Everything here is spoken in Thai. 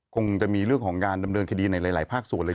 คงจะมีเรื่องของการดำเนินคดีในหลายภาคส่วนเลย